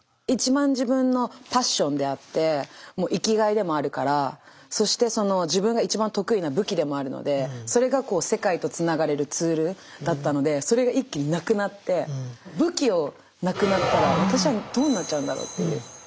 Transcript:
一番自分のパッションであって生きがいでもあるからそして自分が一番得意な武器でもあるのでそれが世界とつながれるツールだったのでそれが一気になくなって武器をなくなったら私はどうなっちゃうんだろうっていう。